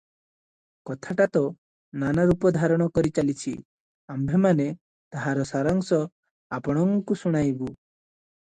କଥାଟା ତ ନାନା ରୂପ ଧାରଣ କରି ଚାଲିଛି, ଆମ୍ଭେମାନେ ତାହାର ସାରାଂଶ ଆପଣଙ୍କୁ ଶୁଣାଇବୁ ।